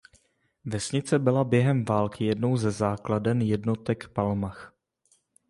Vesnice byla během války jednou ze základen jednotek Palmach.